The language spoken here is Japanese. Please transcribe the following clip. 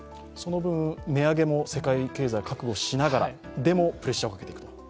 その部分、値上げも世界経済、覚悟しながらでも、プレッシャーをかけていくと？